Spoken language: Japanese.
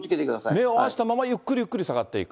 目を合わせたままゆっくりゆっくり下がっていく。